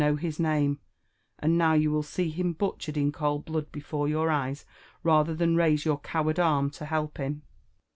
|inow his name,i » and now you will see him butchered in cold blood before your eyes, rather than raise your coward arm to help him!